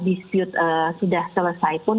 dispute sudah selesai pun